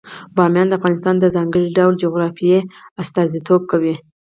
بامیان د افغانستان د ځانګړي ډول جغرافیه استازیتوب کوي.